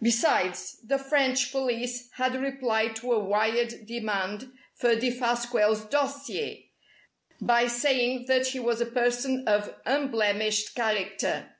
Besides, the French police had replied to a wired demand for Defasquelle's dossier, by saying that he was a person of unblemished character.